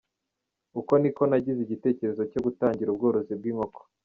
Uko niko nagize igitekerezo cyo gutangira ubworozi bw’inkoko.